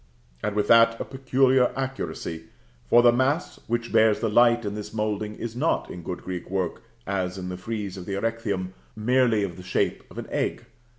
And with that a peculiar accuracy; for the mass which bears the light in this moulding is not in good Greek work, as in the frieze of the Erechtheum, merely of the shape of an egg.